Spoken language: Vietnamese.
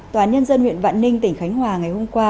tòa án nhân dân nguyện vạn ninh tỉnh khánh hòa ngày hôm qua